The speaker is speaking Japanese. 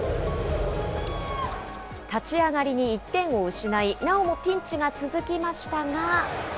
立ち上がりに１点を失い、なおもピンチが続きましたが。